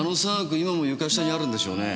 今も床下にあるんでしょうねえ？